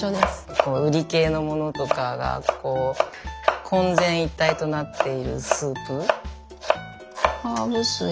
こううり系のものとかがこう混然一体となっているスープ。